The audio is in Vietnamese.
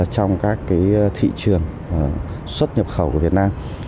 trong các thị trường xuất nhập khẩu của việt nam